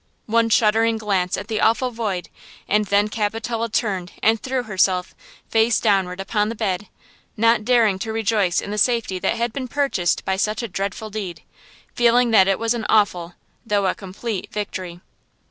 One shuddering glance at the awful void and then Capitola turned and threw herself, face downward, upon the bed, not daring to rejoice in the safety that had been purchased by such a dreadful deed, feeling that it was an awful, though a complete victory!